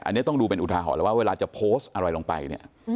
อันนี้ต้องดูเป็นอุทาหรณ์แล้วว่าเวลาจะโพสต์อะไรลงไปเนี่ย